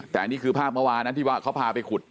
แต่อันนี้คือภาพเมื่อวานนะที่ว่าเขาพาไปขุด